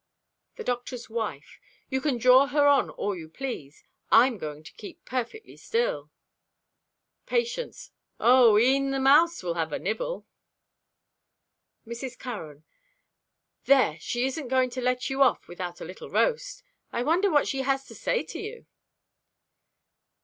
The Doctor's Wife.—"You can draw her on all you please. I'm going to keep perfectly still." Patience.—"Oh, e'en the mouse will have a nibble." Mrs. Curran.—"There! She isn't going to let you off without a little roast. I wonder what she has to say to you."